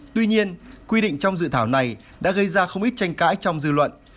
trong dự thảo này đã gây ra không ít tranh cãi trong dự luận